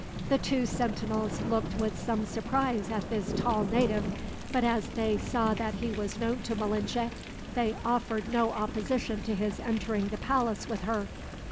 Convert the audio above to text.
The two sentinels looked with some surprise at this tall native, but as they saw that he was known to Malinche, they offered no opposition to his entering the palace with her.